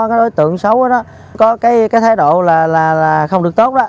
cái đối tượng xấu đó có cái thái độ là không được tốt đó